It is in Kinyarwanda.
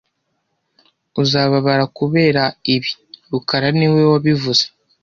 Uzababara kubera ibi rukara niwe wabivuze